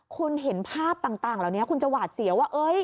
คุณเห็นภาพต่างเหล่านี้คุณจะหวาดเสียวว่า